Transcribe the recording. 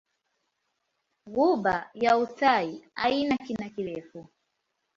Ghuba ya Uthai haina kina kirefu.